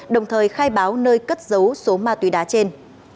đồng thời khai báo nơi cất dấu số ma túy đá trên